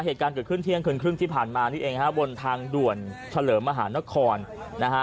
เหตุการณ์เกิดขึ้นเที่ยงคืนครึ่งที่ผ่านมานี่เองฮะบนทางด่วนเฉลิมมหานครนะฮะ